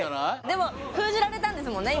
でも封じられたんですもんね